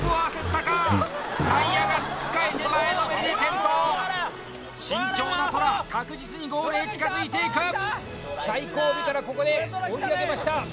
タイヤがつっかえて前のめりで転倒慎重なトラ確実にゴールへ近づいていく最後尾からここで追い上げました